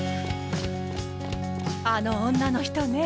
あの女の人ね